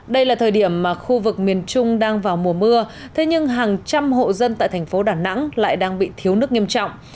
đây là thời điểm mà khu vực miền trung đang vào mùa mưa thế nhưng hàng trăm hộ dân tại thành phố đà nẵng lại đang bị thiếu nước nghiêm trọng